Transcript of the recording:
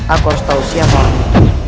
aku harus tahu siapa itu